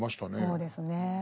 そうですね。